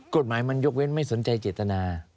กฎหมายมันยกเว้นไม่สนใจเจตนา